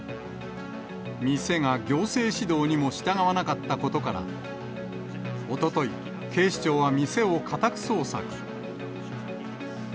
店が行政指導にも従わなかったことから、おととい、警視庁は店を家宅捜索。